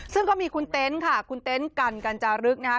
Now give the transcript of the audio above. ซึ่งก็มีคุณเต็นต์ค่ะคุณเต็นต์กันกัญจารึกนะคะ